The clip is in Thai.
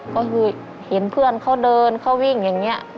ก็คือเห็นเพื่อนเขาเดินเขาวิ่งอย่างนี้